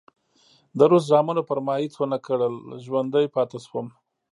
د روس زامنو پر ما هېڅ ونه کړل، ژوندی پاتې شوم.